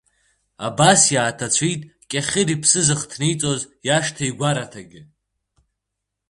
Абас иааҭацәит Кьахьыр иԥсы зыхҭниҵоз иашҭа-игәараҭагьы…